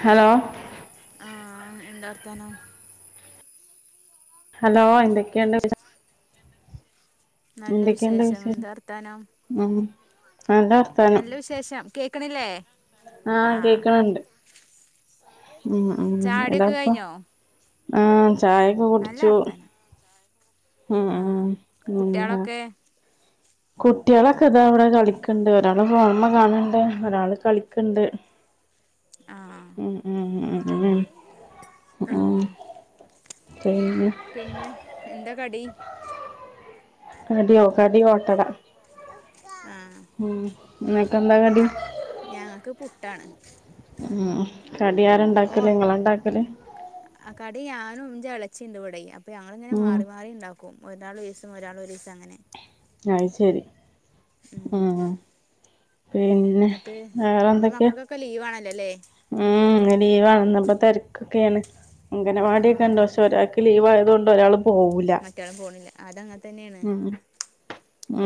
Hello ആഹ് എന്താ വർത്താനം ഹലോ എന്തൊക്കെണ്ട് വി നല്ല വിശേഷം. എന്ത വർത്താനം ഉം നല്ല വർത്താനം നല്ല വിശേ ശേഷം കേക്ക്ണില്ലേ ആഹ് കേക്ക്നിണ്ട് ഉം ഉം ചായുടിയൊക്കെ ഇതാപ്പൊ കഴിഞ്ഞോ ആഹ് ചായൊക്ക നല്ല കുട്ച്ചു വർത്താനം ആഹ് കുട്ടീളൊക്കെ കുട്ടീളൊക്ക ഇതാ ഇവടെ കളിക്ക്ൺണ്ട് ഒരാള് ഫോൺമ കാൺണ്ട് ഒരാള് കളിക്ക്ണ്ട് ആഹ് ഉം ഉം ഉം ഉം ഉം ആഹ് പിന്ന പിന്നെ എന്താ കടി കടിയോ കടി ഓട്ടട ആഹ് ഉ നിങ്ങക്ക് എന്താ കടി ഞങ്ങൾക്ക് പുട്ടാണ് ഉം കടിയാര് ഓ ഉണ്ടാക്കല് നിങ്ങള് ഉണ്ടാക്കല് ആ കടി ഞാനും എന്റെ ഇളയച്ചിയും ഉണ്ടിവിടെ അപ്പൊ ഞങ്ങ ഇങ്ങനെ ഉം മാറി മാറി ഉണ്ടാവും ക്കും ഒരാൾ ഒരു ദിവസം ഒരാൾ ഒരു ദിവസം അങ്ങനെ അത് ശരി ഉം പിന്നെ വേറെ എന്തൊക്കെയാ ഒക്കെ ലീവ് ആണല്ലോ അല്ലേ ഉം ലീവാണ് ഇനിപ്പ തിരക്കൊക്കെയാണ് അങ്കണവാടിയൊക്കെ ആഹ് ഉണ്ട് പക്ഷെ ഒരാൾക്ക് ലീവയതുകൊണ്ട് ഒരാളു പോയില്ല മറ്റയാളും പോണില്ല അതങ്ങെന തന്നെയാണ് ഉം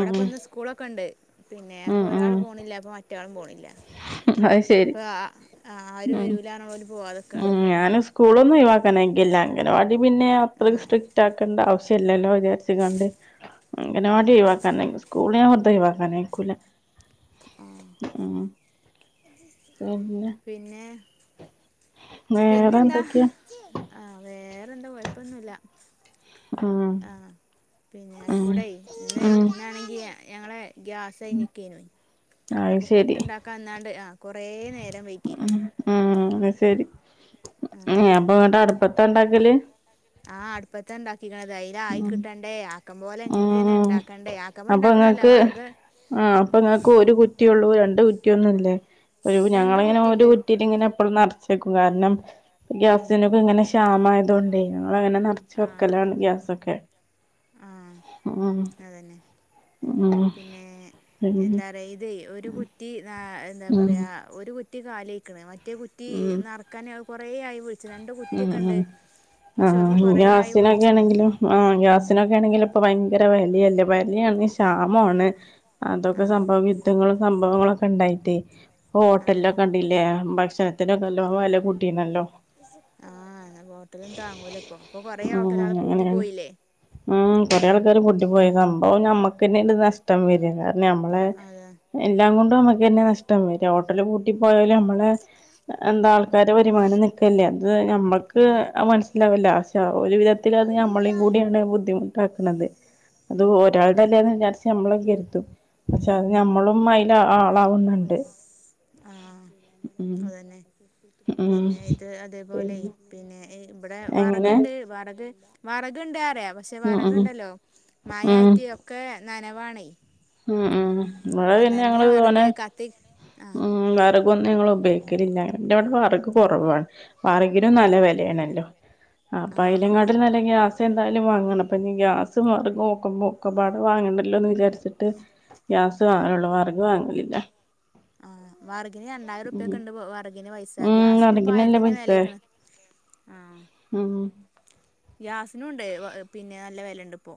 ഉം ഇന്ന് സ്കൂളൊക്കെ ഉണ്ട് പിന്നെ ഉം അപ്പൊ ഒരാൾ ഉം പോണില്ല അപ്പൊ മറ്റയാളും പോണില്ല അത് ശരി ഇപ്പൊ ആരും വരൂല എന്ന് പറഞ്ഞു പോവാതെ നിക്കെയാണ് ഞാൻ സ്കൂളിൽ ഒന്നും ഒഴിവാക്കണില്ല അംഗൻവാടി പിന്നെ ആ അത്ര സ്ട്രിക്ട് ആക്കണ്ട ആവശ്യ ചെല്ലല്ലോ വിചാരിച്ചോണ്ട ആ അംഗനവാടി ഒഴുവാക്കാം സ്കൂള് ഞാൻ ഒഴുവാക്കാൻ നിക്കൂല ഉം പിന്നെ പിന്നെ വേറെ പിന്നെന്താ എന്തൊക്കെയാ ആഹ് വേറെന്താ കൊഴപ്പൊന്നുമില്ല ആഹ പിന്നെ ആയിക്കൂടെ ഉം ഇന്നാണെങ്കിൽ ഞങ്ങളെ ഗ്യാസ് കഴിഞ്ഞേയ്ക്കേനുവേ അത് അപ്പ ശരി പുട്ടുണ്ടാക്കാന്നാണ്ട് ആഹ് കുറേ നേരം ഉം വെയ്റ്റെയ്തിക്കണ് ഉം അത് ശരി നീ ആ അപ്പ അതടപ്പത്താ എണ്ടാക്കല് ആഹ് അടുപ്പത്താ എണ്ടാക്കിക്കണതായി ഇല്ല ആയി ഉം കിട്ടണ്ടേ ആക്കം പോലെ ഇങ്ങനെ ഉം ഇണ്ടാക്കണ്ടേ ആക്കമ്പ അപ്പൊ ഇണ്ടാക്കണ അല്ലെ ഇങ്ങക്ക് വർഗ് ആഹ് അപ്പൊ നിങ്ങക്ക് ഒരു കുറ്റിയൊള്ളൂ രണ്ടു കുറ്റിയൊന്നും ഇല്ലേ ഒരു രണ്ട് ഞങ്ങളിങ്ങനെ ഒരു കുറ്റിണ്ട് കുറ്റിയിലിങ്ങനെ എപ്പളും നറച്ച് വെക്കും കാരണം ഉം ഗ്യാസിനൊക്കെ ഇങ്ങനെ ക്ഷാമായതുകൊണ്ടേ ഞങ്ങളങ്ങനെ നറച്ച് വെക്കലാണ് ഗ്യാസൊക്കെ ആഹ് ഉം അതന്നെ ഉം പിന്നെ പിന്നെ എന്താ പറയാ ഇതേ ഒരു കുറ്റി നാ എന്താ ഉം പറയാ ഒരു കുറ്റി കാലിയാക്കണ് മറ്റേ കുറ്റി ഉം നറക്കാനത് കൊറേ ആയി രണ്ട് ഉം കുറ്റിയൊക്കെ ഉണ്ട് ഉം പക്ഷെ ഓൽക്ക് ആഹ് കുറേ ആയി ഗ്യാസിനൊക്കെ വിളിച്ചണ് ആണെങ്കിലും ആഹ് ഗ്യാസ് നൊക്കെ ആണെങ്കിലും ഇപ്പ ഭയങ്കര വിലയല്ലേ വിലയാണെങ്കി ക്ഷാമവാണ് ആ അതൊക്കെ സംഭവി യുദ്ധങ്ങളും സംഭവങ്ങളൊക്കെ എണ്ടായിട്ടേ ആ ഹോട്ടലൊക്കെ കണ്ടില്ലേ ഭക്ഷണത്തിനൊക്കെ നല്ലോം വില കൂട്ടിയിരുന്നല്ലോ ആഹ് ഹോട്ടലൊന്നും താങ്ങൂലിപ്പൊ അപ്പൊ കൊറേ ഉം ഹോട്ടലുകള് പൂട്ടി അങ്ങനെയാണ് പോയില്ലേ ഉം കൊറേ ആൾക്കാര് പൂട്ടി പോയ സംഭവം ഞമ്മക്ക് തന്നെ അതിന്റെ നഷ്ടം വരിക പിന്ന നമ്മള് അ അതെ എല്ലാം കൊണ്ടും നമ്മക്ക് തന്നെ നഷ്ടം ഒരു ഹോട്ടല് പൂട്ടിപ്പോയാല് നമ്മള് എന്താ ആൾക്കാര വരുമാനം നി ക്കെണ്ടെ അത് ഞമ്മക്ക് ആ മനസ്സിലാവില്ല പക്ഷേ ഒരു വിധത്തില് അത് നമ്മളയും കൂടിയാണ് ബുദ്ധിമു ട്ടാക്കണത് അത് ഉം ഒരാളുടെ അല്ലേ എന്ന് വിചാരിച്ച് നമ്മളും കരുതും പക്ഷെ അത് ഞമ്മളും അതിന്റെ ആളാവുന്നുണ്ട് ഉം [inaudible] ഉം പിന്നെ ഇത് അതേപോലേ പിന്നെ ഇവിടെ എങ്ങനെ വറഗിണ്ട് വറഗ് വറഗിണ്ട്റയ പക്ഷെ ഉം ഉം വറഗിണ്ടല്ലോ മഴ ഉം ആയിട്ട് ഒക്കെ നനവാണേ ഉം ഉം ഇവടെ പിന്നെ നനഞ്ഞ ഞങ്ങള് വറക് [unintelligible] കത്തി ആഹ് ഉം വെറകൊന്നും ഞങ്ങള് ഉപയോഗിക്കലില്ല എന്റെവിടെ വെറക് കൊറവാണ് വെറകിനും നല്ല ആഹ് വിലയാണല്ലോ അപ്പൊ ആഹ് അയലങ്ങാട്ടിലും നല്ല ഗ്യാസ് എന്തായാലും വാങ്ങണം അപ്പിഞ്ഞി ഗ്യാസും വറഗും ഒക്കെ ഒക്കപ്പാടെ വാങ്ങണ്ടല്ലോന്ന് വിചാരിച്ചി ട്ട് ഗ്യാസ് ആഹ് വാങ്ങലുള്ള് വെറക് വാങ്ങലില്ല ആഹ് വെറഗിന് രണ്ടായിരം ഉം റുപ്യക്കെണ്ട് വെറഗിന് പൈസ ഉം ഗ്യാസിനും ഇപ്പ വറകിനല്ലേ ആയിരത്തിന്റെ പൈസ മേലേക്കണ് ആഹ് ഉം ഗ്യാസിനും ഉണ്ടെ പിന്നെ നല്ല വില ഉണ്ട് ഇപ്പൊ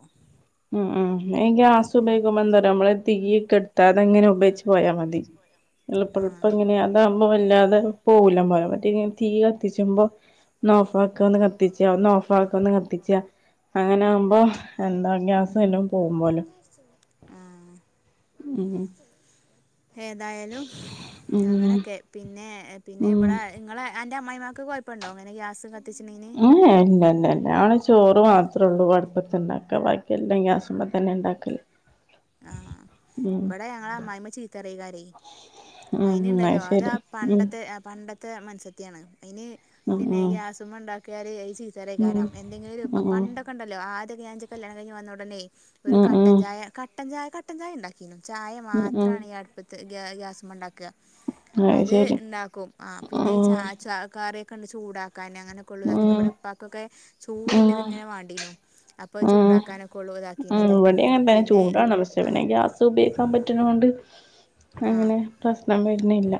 ഉം ഉം ഈ ഗ്യാസ് ഉപയോഗിക്കുമ്പൊ എന്തെറിയോ നമ്മള് തീയ് കെടു ത്താതെ ഇങ്ങനെ ഉപയോഗിച്ച് പോയാ മതി ആഹ് എളുപ്പെളുപ്പം ഇങ്ങനെയാ താവുമ്പോ വല്ലാതെ പോകൂല്ലെ നമ്മള് മറ്റേ ഇങ്ങനെ തീ കത്തിച്ചുമ്പൊ ഒന്ന് ഓഫാക്കാ ഒന്ന് കത്തിച്ച ഒന്ന് ഓഫാക്കാ ഒന്ന് കത്തിച്ച അങ്ങനെ ആകുമ്പോ എന്താ ഗ്യാസ് ഉം എല്ലാം പോകും പോലും ആഹ് ഉം ഏതായാലും ഉം അങ്ങനൊക്കെ പിന്നെ പിന്നെ ഉം ഇവിടേ നിങ്ങളെ അന്റെ അമ്മായിയമ്മക്ക് കുഴപ്പൊണ്ടോ അങ്ങനെ ഗ്യാസ് കത്തിച്ചിട്ടിണ്ടേനി ഏഹ് ഇല്ലില്ലല്ല നമ്മള് ചോറ് മാത്രൊള്ളു അടുപ്പത്ത് ഇണ്ടാക്ക ബാക്കി എല്ലാം ഗ്യാസ്മ്മെ തന്നെ ഇണ്ടാക്കല് ആഹ് ഇബടെ ഞങ്ങടെ അമ്മായമ്മ ചീത്ത പറയേകാരേ ഉം അയിനിണ്ടല്ലോ അത് ശരി ആ ഉം പണ്ടത്തെ ആഹ് പണ്ട ത്ത് മൺചട്ടിയാണ് അയിന് ഉം പിന്നെ ഉം ഗ്യാസ്മ്മെ ഇണ്ടാക്കിയാല് അത്‌ ചീ ഉം ചെരേക്കാരം എന്തെങ്കിലും ഉം പണ്ടൊക്കെ എണ്ടല്ലോ ആദ്യോക്കെ ഞാൻ [unintelligible] കല്യാണം കഴിഞ്ഞ് വന്ന ഉടനെ ഒരു ഉം കട്ടൻ ഉം ചായ കട്ടൻ ചായ കട്ടൻ ചായ ഇണ്ടാക്കീനു ചായ ഉം ഉം മാത്രാണ് ഈ അടുപ്പ ഗ്യാസ്സുമേ ഉണ്ടാക്കുവാ അത് ഉണ്ടാക്കും പിന്നെ ചാ ഉം കറിയൊക്കെ ഉണ്ട് ചൂടാക്കൻ അങ്ങനെ ഉം ള്ളുതാക്കിന ഉം ഇവിടെപ്പാക്കൊക്കെ ചൂടുള്ളത് ഉം ഇങ്ങനെ വേണ്ടീനു അപ്പോൾ ചൂടാക്കാനൊക്കെ ഉള്ളൂ ഇതാക്കുന്നത് എ അങ്ങനെ തന്നെ ചൂടാണ് പക്ഷേ പിന്നെ ഗ്യാസ് ഉപയോഗിക്കാൻ പറ്റുന്ന കൊണ്ട് ആ അങ്ങനെ പ്രശ്നം വരുന്നില്ല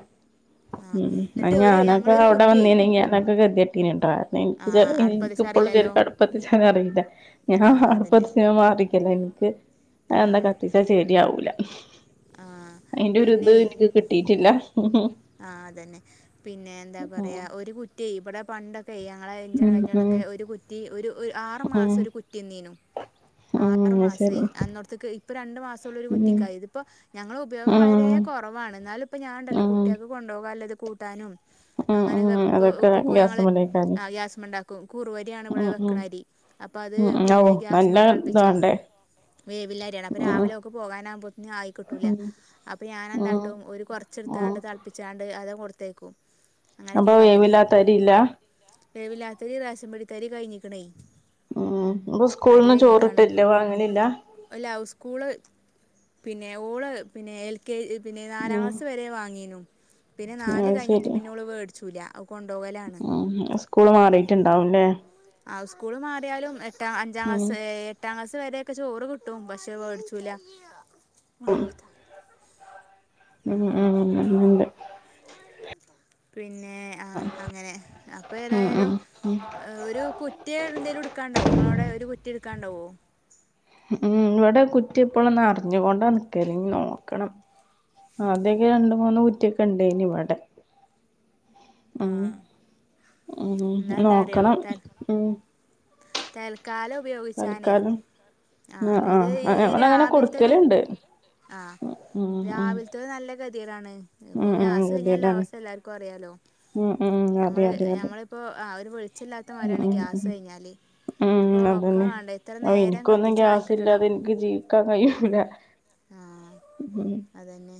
ആ ഉ എന്നിട്ട് ഒരു ഞാനൊക്കെ ഞങ്ങളൊരു അവിടെ കുറ്റിയേ വന്നിനു ഞാനൊക്കെ കതി പിന്നെട്ടോ രണം എനിക്ക് ചെ ആഹ് അടുപ്പത്തിച്ച എനിക്കിപ്പളും അറിയില്ലല്ലോ ചെരിക്കടുപ്പ് കത്തിച്ചാൻ അറിയില്ല ഞാൻ ആഹ് അതന്നെ അടുപ്പത്തന് മാറിനിൽക്കലാണ് എനിക്ക് എന്താ ആഹ് കത്തിച്ച ശരിയാവൂല്ല ആഹ് അതിന്റെ ഒരു ഇത് ഇനിക്ക് കിട്ടിയിട്ടില്ല ഉം ആഹ അതന്നെ പിന്നെ എന്താ പറയാ ഉം ഒരു കുറ്റി ഇവിടെ പണ്ടൊക്കെ പ്പയ് യങ്ങളെ ഞ്ചായണം കഴിഞ്ഞൊക്കെ ഉം ഒരു കുറ്റി ഒരു ആറ് മാസം ഉം ഒരു കുറ്റിന്നീനു. ആറു ഉം അത് ശരി മാസായി അന്നടത്തേക്ക് ഇപ്പൊ രണ്ടു മാസം ഉുള്ള ഒരു ഉം കുറ്റിക്കായത് ഇപ്പൊ ഞങ്ങളുടെ ഉപയോഗം വളരെ ഉം കുറവാണ്എന്നാലും ഇപ്പം ഞാൻ ഉണ്ടല്ലോ ഉം കുട്ടികൾക്ക് കൊണ്ടു പോവാനുള്ള കൂട്ടാനും ഉം ഉം അങ്ങനെയൊക്കെ ഇപ്പൊ അതൊക്കെ ഇപ്പൊ ഞങ്ങള് ഗ്യാസുമലേക്കാന് ഗ്യാസമണ്ടാക്കും കറുവരിയാണ് ഇവിടെ ഉം ഉം വെക്കണം അരി അപ്പൊ അത് ഉം ഔ പിന്നെ നല്ല ഗ്യാസ്സുമേ ഇത് തിളപ്പിച്ചു വേണ്ടേ വേവുള്ള അരിയാണ് അപ്പൊ ഉം രാവിലെ ഒക്കെ പോകാൻ ആകുമ്പോ ആയിക്കോട്ടൂല ഉം അപ്പൊ ഞാൻ ഉം എന്താട്ടും ഒരു കുറച്ച് ഉം വേവിച്ചെടുത്ത് തിളപ്പിച്ചാണ്ട് അത് കൊടുത്തയക്കും അപ്പൊ അങ്ങനൊക്കെയ കാട്ടല് വേവില്ലാത്ത അരിയില്ല വേവില്ലാത്ത അരി റേഷൻ പീടികയിലെ അരി കഴിഞ്ഞേക്കണേ ഉ ഇപ്പൊ സ്കൂളി നിന്നും ചോറിട്ടില്ലേ വാങ്ങിലില്ല അല്ല സ്കൂള് പിന്നെ ഓള് പിന്നെ എൽ കെ ജി പിന്നെ നാലാം ഉം ക്ലാസ്സ് വരെ വാങ്ങ പിന്നെ നാല് അത് കഴിഞ്ഞിട്ട് മേടിച്ചില്ല ഓള് കൊണ്ടുപോകലാ ഉ സ്കൂള് മാറിയിട്ടുണ്ടാവും ആ സ്കൂള് മാറിയാലും എട്ടാം അഞ്ചാം ഉം ക്ലാസ്സ് എട്ടാം ക്ലാസ് വരൊക്കെ ചോറ് കിട്ടും പക്ഷെ മേടിച്ചൂല ഉം ഉം ഉണ്ട് പിന്നെ ആ അങ്ങനെ അപ്പ ഉം ഉം ഏതായാലും ഉം ഒരു കു കുറ്റി ഏതെങ്കിലും എടുക്കാൻ ഉണ്ടാവും ഇങ്ങളോട ഒരു കുറ്റി എടുക്കാണ്ടാവോ ഉ ഇവിടെ കുറ്റി എപ്പോഴും നറിഞ്ഞുകൊണ്ട് നിൽക്കല് നോക്കണം ആദ്യക്കെ രണ്ട് മൂന്ന് കുറ്റിയൊക്കെണ്ടേനി ഇവടെ ആ ഉം എന്നാ എന്താ അറിയോ നോക്കണം തൽ തൽക്കാലം ഉപയോഗിച്ചാനേ തൽക്കാലം ആഹ് ആ ഇത് ഈ ആ ഈ ഞങ്ങളങ്ങനെ രാവില്ത്തത് കൊടുക്കലുണ്ട് ആഹ് ഉം ഉം ഉം രാവില്ത്തത് നല്ല ഗതികേടാണ് പ്പം ഉം ഉം ഗ്യാസ് കഴിഞാല്ള്ള ഗതികേടാണ് അവസ്ഥ എല്ലാർക്കും അറിയാലെ ഉം ഉം ഉ അതെയതെയതെ പ്പം ഒരു വെളിച്ചല്ലാത്ത മാര്യാണ് ഗ്യാസ് കഴിഞാല് ഇതിപ്പൊ ഉം ഒക്കെ അതന്നെ വേണ്ടേ എത്ര ഓ നേരം എനിക്കൊന്നും കത്തിച്ച് ആയി കിട്ടണം. ഗ്യാസില്ലാതെ എനിക്ക് ജീവിക്കാൻ കഴിയൂല ആഹ്അതന്നെ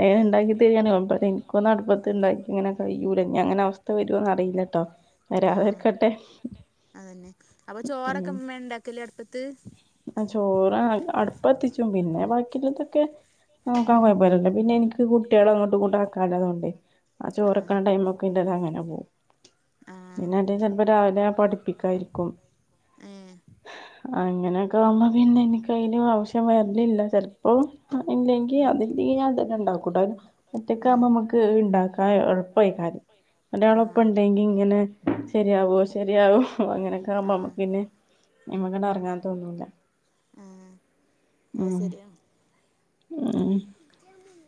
വേ ഉണ്ടാക്കിത്തരാണെങ്കില് [unintelligible] ഇന്ക്ക് ഒന്ന് അട്പ്പത്ത്ണ്ടാക്ക ഇങ്ങനെ കയ്യൂലങ്ങനെ അവസ്ഥവരോന്നറീല്ല ട്ടൊ വരാതെ ആ അതന്നെ അപ്പൊ ചോറൊക്കെ മ്മെണ്ടാക്കല് അട്പ്പത്ത് ആഹ് ചോറ് അട്പ്പത്തിച്ചും പിന്നെ ബാക്കിള്ളീനൊക്കെ നോക്കാൻ ഉം കൊയപ്പല്ല്യല്ലൊ പിന്നെ ഇനി ഇക്ക് കുട്ട്യോളൊ അങ്ങട്ടും ഇങ്ങട്ടും ആക്കാള്ള തേണ്ടേ ആ ആഹ് ചോറെക്ക്ണ ടൈമൊക്കെ ന്റെത് അങ്ങനെ പോവും. ആഹ് പിന്നെ അധികം ചെലപ്പം രാവിലെ പഠിപ്പിക്കാനിരിക്കും ഏഹ് അങ്ങനെയൊക്കെ ആവുമ്പോ പിന്നെ അയ്ന് ആവശ്യം വരലില്ല ചെലപ്പോ ഇല്ലെങ്കി ഉം അതില്ലി ഞാൻ തന്നെ ഇണ്ടാക്കുട്ടൊ ഒറ്റക്കാവുമ്പോ ആഹ് അമ്മക്ക് ഇത് ഇണ്ടാക്കാൻ എള്പേക്കാരം ഒരാള് ഒപ്പം ആഹ് ഇണ്ടങ്കി ഇങ്ങനെ. ശരിയാവൊ ശരിയാവൊ ഹ് അങ്ങെ നൊക്കാകുമ്പ ആഹ് ഞമ്മക്കിനി അയ്മ്മണ്ട് എറങ്ങാൻ തോന്നൂല. ആഹ് അത് ഉം ശരി ഉം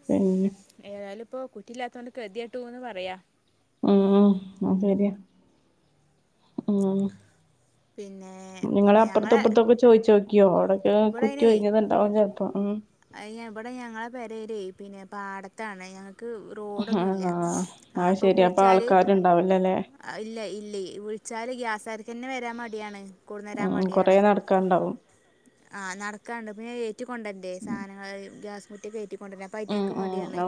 പിന്നെ ഏതായാലു ഇപ്പൊ കുറ്റില്ലാത്തോണ്ട് കെത്യട്ടൂന്ന് പറയാ ഉം അഹ് സെരിയാ ഉം. പിന്നേ നിങ്ങള് അപ്പർത്തും ഇപ്പർത്തൊക്കെ ചോയ്ച്ചോക്യോ. അവ്ടൊക്കെ കുറ്റി ഒഴിഞത് ഇണ്ടാവും ചെല്പോ അയ് ഇബ്ടെ ഞങ്ങളെ പെരേല് പിന്നെ പാടത്താണ് ഞങ്ങക്ക്. ട്ടോഡൊന്നുല്ല. ആഹ് അത് അപ്പൊ ശരി വിള്ച്ചാല് ആൾക്കാരുണ്ടാവില്ലല്ലേ ഇല്ല ഇല്ല്യെ വിളിച്ചാല് ഗ്യാസാര്ക്കെന്നെ വരാന് മടിയാണ് കൊട്ന്നരാൻ മടിയാണ് ഒക്കണ്ടാവും ആഹ് നടക്കാണ്ട്. പിന്നെ ഏറ്റിക്കൊണ്ടന്റെ. ഉം സാധനങ്ങൾ ഗ്യാസും കുറ്റിയൊക്കെ ഏറ്റിക കൊണ്ടര്‌നം. അപൈറ്റങ്ങക്ക് മട്യാണ്.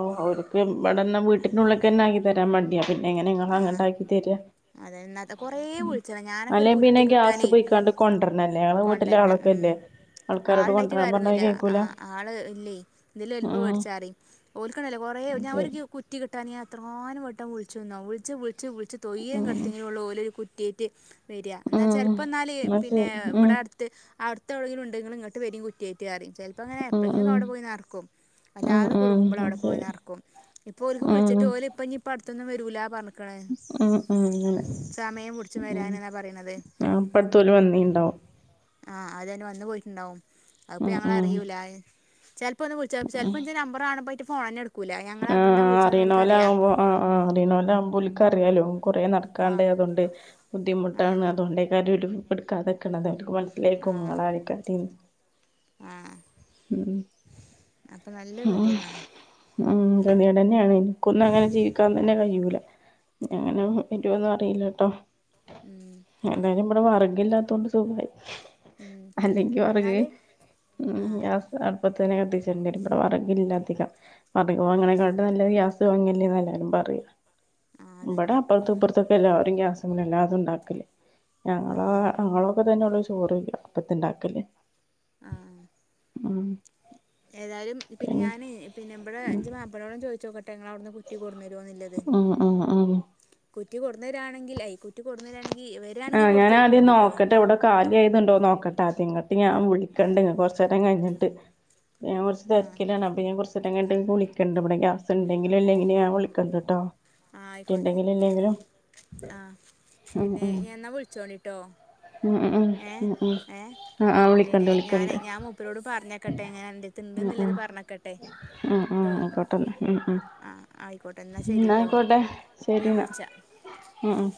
ബെടെന്ന വീട്ടിന്റുള്ള്ക്കെന്നെ ആക്കി തരാൻ മട്യ. പിന്നെ എങ്ങനേ ഇങ്ങളെ ആ അങ്ങട്ടാക്കി തരാ അതെ ഇന്നാത്തെ കുറേ വിളിച്ചതാ ഞാനൊക്കെ ഒരു അല്ലെങ്കി പിന്നെ കുറ്റി ഗ്യാസ് കിട്ടാനേ പോയിങ്ങാണ്ട്കൊണ്ടര്നല്ലെ. ഓളെ വീട്ടിലാ ഓള് ഇക്കല്ലേ ആള്ണ്ടായിട്ട് കാര്യൊന്നുല്ല്യ അഹ് ആഹ് ആള് ഇല്ലെയ്. ഇതിലെ വെരുമ്പോ വേട് ഉം ചാറിം. ഓല്ക്ക്ണ്ടല്ലൊ കൊറേ അത് ഒരു ശരി കു റ്റി കിട്ടാന് ഞാനെത്രങ്ങാനുവട്ടം വിള്ച്ച്ന്നൊ വുൾച്ച് വുൾച്ച് വുൾച്ച്. തൊയ്ര്യം ഉം കെട്ത്തി [unintelligible] അവരൊരു കുറ്റി വര്യ ഇന്നാല് ഉം ചെൽപ്പ ഇന്നാല് എന്നാ പിന്നെ ശരി ഉം ഇബടെ അട് ത്ത് അട്ത്തെവുടെങ്കിലും ഇണ്ട്. ഇങ്ങള് ഇങ്ങട്ട് വെരി ക്കുറ്റൈറ്റ് അറിം ചെല ഇപങ്ങനെ ഉം എപ്പളെങ്കിലും ഉം അവ്ടെ പോയി നറ്ക്കും. ഉം വല്ലാതെ ഉം കുടങ്ങുമ്പള അവ്ടെ അത് പോയി ശരി നറക് ഇപ്പം ഓല്ക്ക് ഉം വിളിച്ചിട്ട് ഓല് ഇഞ്പ്പട്ത്തൊന്നും വരൂല പറ്ഞ്ക്കാണ്. ഉം ഉം അങ്ങനെ സമയം ഉം പുട്ച്ചുംവരാന് ന്നാ പറിണത് അപ്പടുത്തോല് വന്നീണ്ടാവും ആഹ് വന്ന് പൊയ്റ്റ് ഇണ്ടാവും അത് ഇപ്പം ഉം ഉം ഞങ്ങളറിയൂല. ചെൽപ്പൊന്നും വിള്ച്ചു [unintelligible] ചെൽപ്പന്റെ നമ്പറാണുമ്പ അയ്റ്റ ഫോണെന്നെ ഇട്കൂല. ഞങ്ങളബട്ന്നാ ആഹ് വിള്ച്ച്ണ്ന്ന് ഓല്ക്കറിയ. അറിയണോലാവുമ്പോ ആഹ് ആഹ് അറിണോലാവുമ്പ ഓല്ക്കറിയാലൊ. കൊറേ നടക്കാണ്ട്. ആഹ് അതോണ്ടെ ബുദ്ധിമുട്ടാണ് അതന്നെ അതോണ്ടെക്കാരം ഓര് ഇപ്പ ഇട്ക്കാതക്ക്ണത്. ഓര്ക്ക് മന ലൈക്കും ആഹ് ഇങ്ങളാരെക്കെ ടീം. ആഹ് ഉം അപ്പൊ നല്ല ഉം ഗതികേടാണ് ഹ് കെദ്യേടന്നേണ്. ഇൻക്കൊന്നും അങ്ങനെ ജീവിക്കാൻതന്നെ കയ്യൂല. ഞാനും ആഹ് പിന്നെ ക്കൊന്നും അറീലട്ടൊ ഉം എന്തായാലും ഇവടെ വെർഗ് ഇല്ലാത്തോണ്ട് സുഖായി. ഉം അല്ലെങ്കി വെറഗ്‌ എന്നാല് ഉം ആഹ് ഗ്യാസ് അപ്പെ തന്നെ കത്തിച്ചെണ്ട്യേരും. ഇബ്ടെ വെറഗില്ല അധികം. വർഗും ആഹ് അങ്ങനെക്കാട്ട് നല്ലത് ഗ്യാസ് തോങ്ങല്ലേ എല്ലാരും പറിം. ആഹ് ഇബെടെ അതന്നെ അപ്പൊറ്ത്ത് ഇപ്പറ്ത്തും ഇപ്പ എല്ലാരും ഗ്യാസ്മ്മല അതുണ്ടാക്കല്. ഞങ്ങളാ ആഹ് ഞങ്ങളൊക്കെ തന്നെഒള്ളു ചോറ് അട്പ്പത്ത്ണ്ടാക്കല് ആഹ് ഉം ഏതായാലും പിന്നെ ഞാനെ പിന്നെ ഇ ബെടെ ഇന്റെ മാപ്പളോട് ചോയ്ച്ചോക്കട്ടെ ഞങ്ങള് ഔട്ന്ന് കു കുറ്റി കൊട്ന്നെരുന്ന്ല്ലത്. ഉം ഉം ഉം കുറ്റി കൊട്ന്നരാണെങ്കിൽ. ഐ കുറ്റി കൊടുന്നരാണെങ്കിൽ ആഹ് ഞാന ആദ്യം നോക്കട്ടെ ഇവിടെ കാലി ആയത്ണ്ടോ നോക്കട്ടെ അതി ഇങ്ങട്ട് ഞാൻ ആഹ് വിളിക്കണ്ട കൊറചേരം കഴിഞ്ഞിട്ട് ഞാൻ കുറച്ച് ആഹ് തിരിക്കിലാണ് പിനി കുറച് [unintelligible] വിളിക്കണ്ട് ഇവിടെ ഗാസ് ഉണ്ടെങ്കിലെല്ലെനിന്നെ ഞാൻളിക്കണ്ടട്ടോ ആഹ് ആയിക്കോട്ടെ ആഹ് ഉം പിന്നെ ഉം ഞാൻ എന്നാ വിളിച്ചോണ്ടിട്ടോ ഉം ഉം ഉം ഏഹ് ഉം ഉം ഏഹ് ആഹ് ആഹ് പിന്നെ വിളിക്കണ്ട് ഞാന് വിളിക്കണ്ട് ഞാൻ മൂപ്പിരോട് പറഞ്ഞക്കട്ടെ ങ്ങനെ അന്റടുത് ഉം ഇണ്ട്ന്ന്ള്ളത് ഉം പറഞ്ഞക്കട്ടെ ഉം ഉം ആയിക്കോട്ടും ഉം ഉം ആഹ് ആയിക്കോട്ടെ ന്നാ എന്നാ ശരിട്ടോ ആയിക്കോട്ടെ ഞാൻ ശരിന്നാ വിളിച്ചാം ഉം ഉം